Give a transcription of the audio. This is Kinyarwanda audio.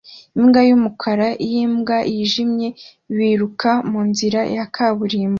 Imbwa y'umukara n'imbwa yijimye biruka munzira ya kaburimbo